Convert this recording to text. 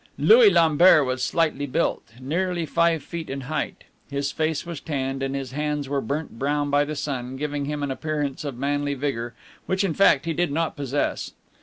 Louis Lambert was slightly built, nearly five feet in height; his face was tanned, and his hands were burnt brown by the sun, giving him an appearance of manly vigor, which, in fact, he did not possess.